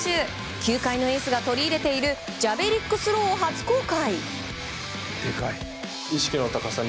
球界のエースが取り入れているジャベリックスローを初公開。